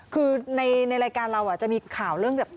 คือในรายการเราจะมีข่าวเรื่องแบบ